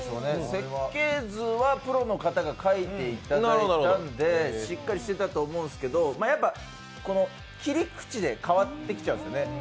設計図はプロの方が書いていただいたのでしっかりしてたと思うんですけど、切り口で変わってきちゃうんですよね。